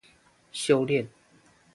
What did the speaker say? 修煉